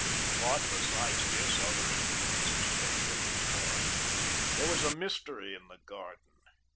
But, besides this, other influences tugged at his heart. There was a mystery in the garden.